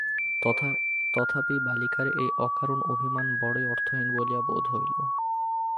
তথাপি বালিকার এই অকারণ অভিমান বড়োই অর্থহীন বলিয়া বোধ হইল।